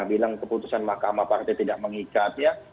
bilang keputusan mahkamah partai tidak mengikat ya